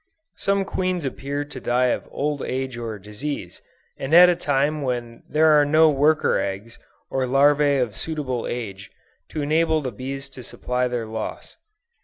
Some queens appear to die of old age or disease, and at a time when there are no worker eggs, or larvæ of a suitable age, to enable the bees to supply their loss.